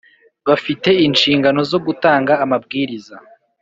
Bafite inshingano zo gutanga amabwiriza